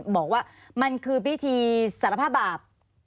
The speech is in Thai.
บอกว่ามันคือพิธีสารภาพบาป